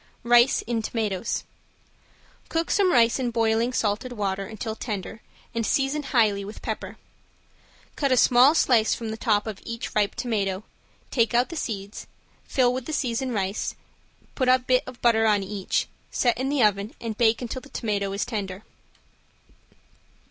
~RICE IN TOMATOES~ Cook some rice in boiling salted water until tender and season highly with pepper. Cut a small slice from the top of each ripe tomato, take out the seeds, fill with the seasoned rice, put a bit of butter on each, set in the oven and bake until the tomato is tender.